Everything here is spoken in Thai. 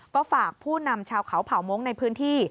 ก็ฝากผู้นำชาวเขาเผ่ามงค์ในพื้นที่